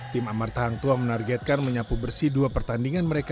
tim amarta hangtua menargetkan menyapu bersih dua pertandingan mereka